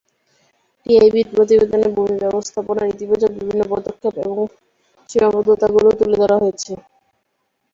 টিআইবির প্রতিবেদনে ভূমি ব্যবস্থাপনার ইতিবাচক বিভিন্ন পদক্ষেপ এবং সীমাবদ্ধতাগুলোও তুলে ধরা হয়েছে।